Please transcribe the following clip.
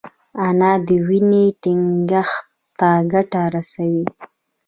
انار د وینې ټينګښت ته ګټه رسوي.